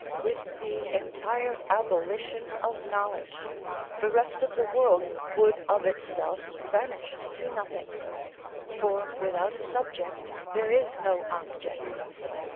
With the entire abolition of knowledge, the rest of the world would of itself vanish into nothing; for without a subject there is no object.